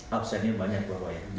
absennya banyak pak woyang